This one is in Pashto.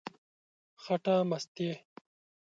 خټه مستې،